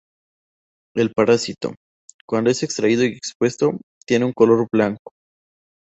El parásito, cuando es extraído y expuesto, tiene un color blanco.